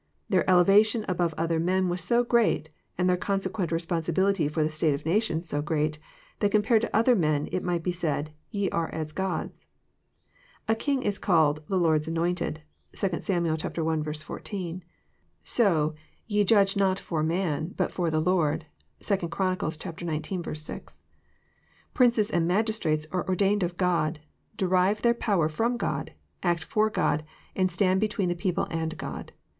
Their elevation above other men was so great, and their consequent responsibility for the state of nations so great, that compared to other men, it might be said, '' You are as gods." A king is called " the Lord's anointed. " (2 Sam. i. 14.) So <* Ye judge not for man, but for the Lord." (2 Chron. xix. 6.) Princes and magistrates are ordained of God, derive their power from God, act for God, and stand between the people and God.